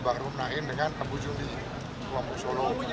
bahru naim dengan kabu jundi kuampus solo